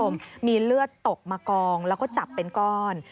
มีเลือดตกมากองแล้วก็จับเป็นก้อน